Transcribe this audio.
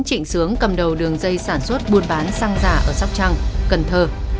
hai nghìn một mươi chín trịnh sướng cầm đầu đường dây sản xuất buôn bán xăng giả ở sóc trăng cần thơ